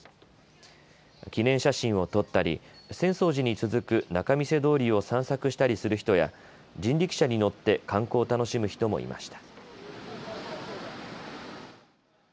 記念写真を撮ったり浅草寺に続く仲見世通りを散策したりする人や人力車に乗って観光を楽しむ人もいました。